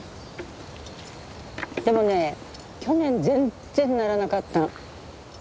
でもね去年全然ならなかったの。